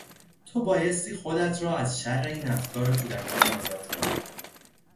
تو بایستی خودت را از شر این افکار کودکانه آزاد کنی.